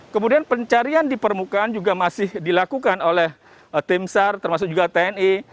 kemudian pencarian di permukaan juga masih dilakukan oleh tim sar termasuk juga tni